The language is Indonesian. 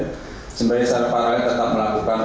sehingga secara parah tetap melakukan